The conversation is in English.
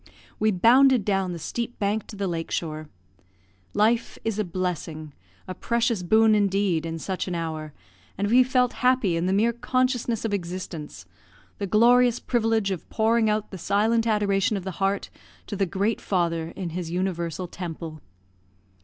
We bounded down the steep bank to the lake shore. Life is a blessing, a precious boon indeed, in such an hour, and we felt happy in the mere consciousness of existence the glorious privilege of pouring out the silent adoration of the heart to the Great Father in his universal temple.